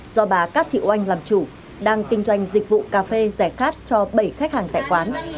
do bà cát thị oanh làm chủ đang kinh doanh dịch vụ cà phê giải khát cho bảy khách hàng tại quán